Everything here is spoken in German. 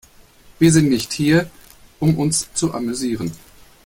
Wir sind nicht hier, um uns zu amüsieren.